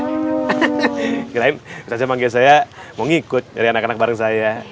hahaha kirain ustazah manggil saya mau ngikut dari anak anak bareng saya